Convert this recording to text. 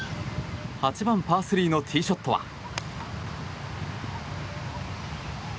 ８番、パー３のティーショットは。